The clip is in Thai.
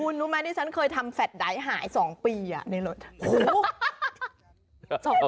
คุณรู้ไหมที่ฉันเคยทำแฟทไดท์หาย๒ปีในรถโอ้โห